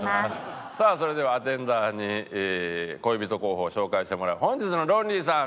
それではアテンダーに恋人候補を紹介してもらう本日のロンリーさん